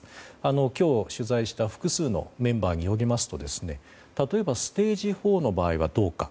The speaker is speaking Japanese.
今日、取材した複数のメンバーによりますと例えばステージ４の場合はどうか。